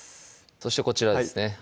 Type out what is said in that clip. そしてこちらですね